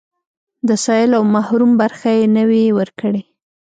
د سايل او محروم برخه يې نه وي ورکړې.